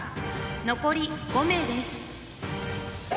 残り５名です。